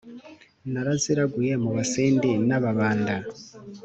naraziraguye mu basindi n'ababanda